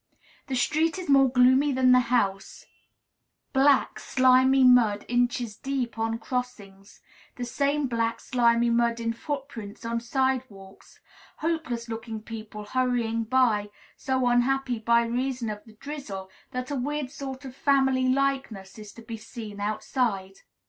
The street is more gloomy than the house; black, slimy mud, inches deep on crossings; the same black, slimy mud in footprints on side walks; hopeless looking people hurrying by, so unhappy by reason of the drizzle that a weird sort of family likeness is to be seen in all their faces. This is all that can be seen outside.